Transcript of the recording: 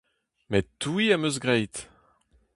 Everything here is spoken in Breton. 'Met touiñ am eus graet !